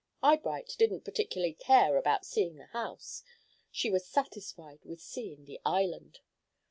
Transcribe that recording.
Eyebright didn't particularly care about seeing the house. She was satisfied with seeing the island.